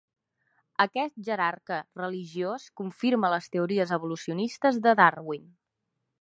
Aquest jerarca religiós confirma les teories evolucionistes de Darwin.